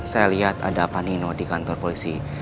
saya lihat ada apa nino di kantor polisi